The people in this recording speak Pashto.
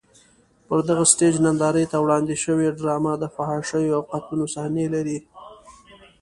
پر دغه سټېج نندارې ته وړاندې شوې ډرامه د فحاشیو او قتلونو صحنې لري.